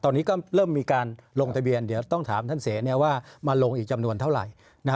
ตอนนี้ก็เริ่มมีการลงทะเบียนเดี๋ยวต้องถามท่านเสว่ามาลงอีกจำนวนเท่าไหร่